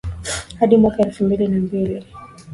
hadi mwaka elfu mbili na mbili